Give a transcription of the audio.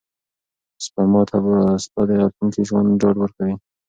سپما ستا د راتلونکي ژوند ډاډ ورکوي.